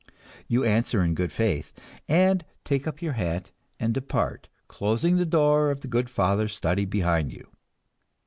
You answer in good faith, and take up your hat and depart, closing the door of the good father's study behind you.